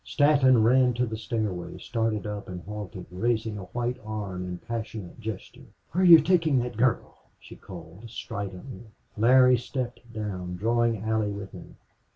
Stanton ran to the stairway, started up, and halted, raising a white arm in passionate gesture. "Where are you taking that girl?" she called, stridently. Larry stepped down, drawing Allie with him.